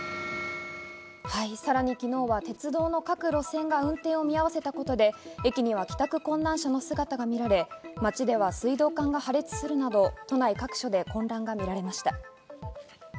さらに昨日は鉄道の各路線が運転を見合わせたことで駅には帰宅困難者の姿が見られ、街では水道管が破裂するなど、都内各所で混乱が見られました。